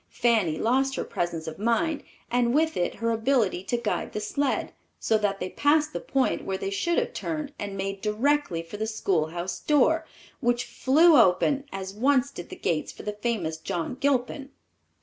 Fanny lost her presence of mind and, with it, her ability to guide the sled, so that they passed the point where they should have turned and made directly for the schoolhouse door, which flew open, as once did the gates for the famous John Gilpin.